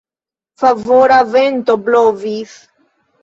Favora vento blovis.